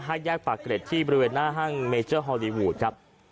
แยกปากเกร็ดที่บริเวณหน้าห้างเมเจอร์ฮอลลีวูดครับ